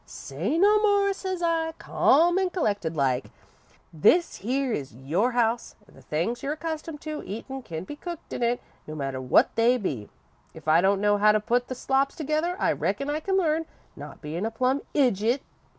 "'Say no more,' says I, calm an' collected like. 'This here is your house an' the things you're accustomed to eatin' can be cooked in it, no matter what they be. If I don't know how to put the slops together, I reckon I can learn, not being a plum idjit.